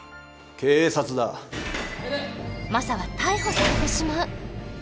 マサは逮捕されてしまう！？